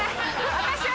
私は。